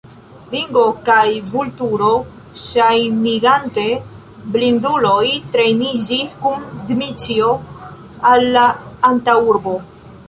Ringo kaj Vulturo, ŝajnigante blindulojn, treniĝis kun Dmiĉjo al la antaŭurbo.